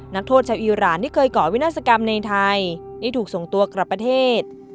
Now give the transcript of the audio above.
นักโทษชาวอีรานที่เคยก่อวินาศกรรมในไทยที่ถูกส่งตัวกลับประเทศ